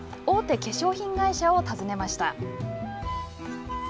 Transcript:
大手化粧品会社を訪ねました。